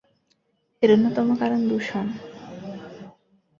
এর অন্যতম কারণ দূষণ।